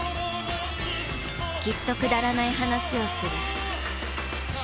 きっとくだらない話をする。